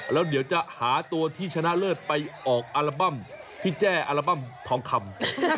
แล้วเดี๋ยวจะหาตัวที่ชนะเลิศไปออกอัลบั้มพี่แจ้อัลบั้มทองคำ